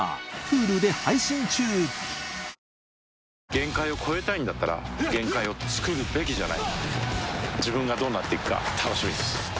限界を越えたいんだったら限界をつくるべきじゃない自分がどうなっていくか楽しみです